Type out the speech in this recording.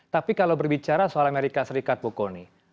tapi kalau berbicara soal amerika serikat bu kony